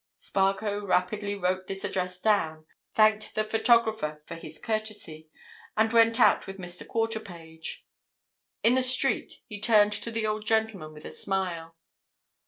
Spargo rapidly wrote this address down, thanked the photographer for his courtesy, and went out with Mr. Quarterpage. In the street he turned to the old gentleman with a smile.